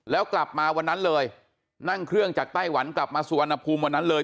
แล้วกลับมาวันนั้นเลยนั่งเครื่องจากไต้หวันกลับมาสุวรรณภูมิวันนั้นเลย